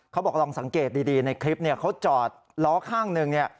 เขาบอกลองสังเกตดีในคลิปเขาจอดล้อข้างหนึ่ง